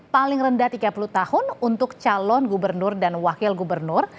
paling rendah tiga puluh tahun untuk calon gubernur dan wakil gubernur